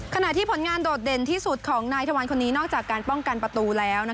ขณะที่ผลงานโดดเด่นที่สุดของนายธวัลคนนี้นอกจากการป้องกันประตูแล้ว